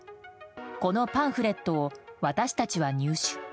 このパンフレットを私たちは入手。